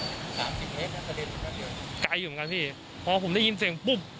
อยู่ครับไกลอยู่เหมือนกันพี่พอผมได้ยินเสียงปุ๊บ